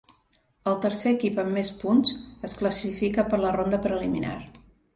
El tercer equip amb més punts es classifica per la ronda preliminar.